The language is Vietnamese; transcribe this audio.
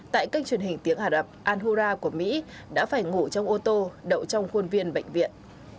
tại kênh truyền hình tiếng ả rập alura của mỹ đã phải ngủ trong ô tô đậu trong khuôn viên bệnh viện